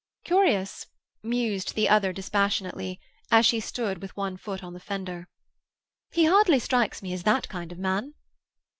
"Curious," mused the other dispassionately, as she stood with one foot on the fender. "He hardly strikes one as that kind of man."